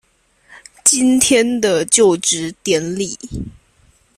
今天的就職典禮